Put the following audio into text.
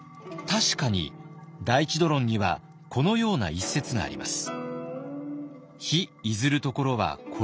確かに「大智度論」にはこのような一節があります。